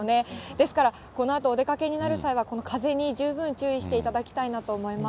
ですから、このあとお出かけになる際は、この風に十分注意していただきたいなと思います。